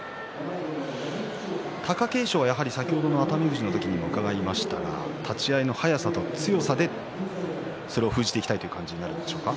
貴景勝は先ほどの熱海富士の時にも伺いましたが立ち合いの速さと強さで、それを封じていきたいっていう感じになるんでしょうか。